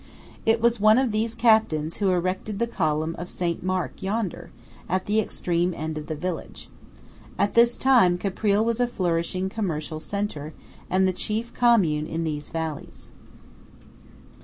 It was one of these Captains who erected the column of St. Mark yonder, at the extreme end of the village. At this time Caprile was a flourishing commercial centre, and the chief commune in these valleys.